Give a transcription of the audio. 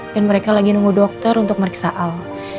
dan mereka lagi nunggu dokter untuk meriksa al